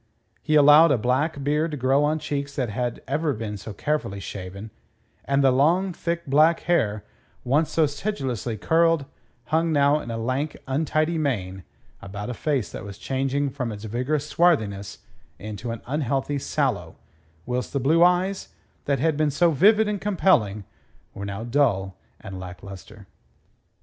He allowed a black beard to grow on cheeks that had ever been so carefully shaven; and the long, thick black hair, once so sedulously curled, hung now in a lank, untidy mane about a face that was changing from its vigorous swarthiness to an unhealthy sallow, whilst the blue eyes, that had been so vivid and compelling, were now dull and lacklustre.